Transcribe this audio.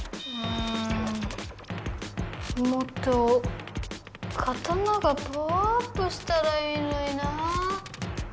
もっと刀がパワーアップしたらいいのになあ。